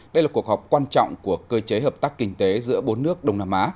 đây là cuộc họp quan trọng của cơ chế hợp tác kinh tế giữa bốn nước đông nam á